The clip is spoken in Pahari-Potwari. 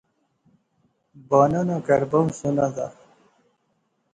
بانو نا کہر بہوں سوہنا زا